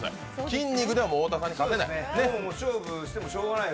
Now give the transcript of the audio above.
筋肉では、もう太田さんには勝てない。